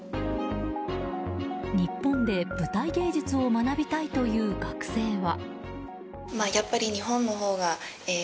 日本で舞台芸術を学びたいという学生は。